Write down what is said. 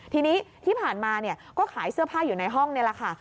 ทีนี้ที่ผ่านมาก็ขายเสื้อผ้าอยู่ในห้องนี่แหละค่ะ